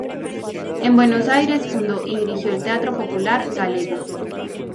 En Buenos Aires fundó y dirigió el Teatro Popular Galego.